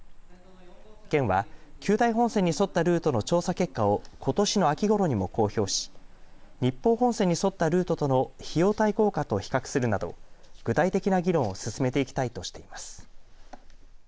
県は久大本線に沿ったルートの調査結果をことしの秋ごろにも公表し日豊本線に沿ったルートとの費用対効果と比較するなど具体的な議論を進めていきたいとしています。